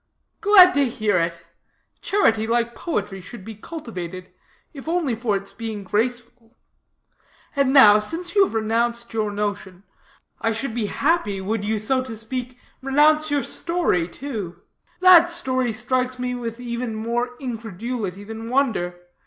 "Glad to hear it. Charity, like poetry, should be cultivated, if only for its being graceful. And now, since you have renounced your notion, I should be happy, would you, so to speak, renounce your story, too. That, story strikes me with even more incredulity than wonder.